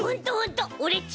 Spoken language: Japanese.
オレっち